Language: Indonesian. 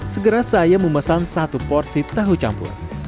segera saya memesan satu porsi tahu campur